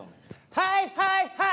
「はいはいはい！」